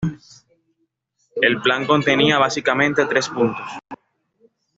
El plan contenía básicamente tres puntos.